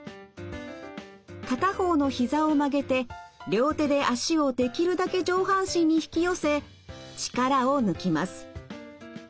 片方のひざを曲げて両手で脚をできるだけ上半身に引き寄せ力を抜きます。